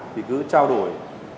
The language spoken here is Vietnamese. thì cứ trao đổi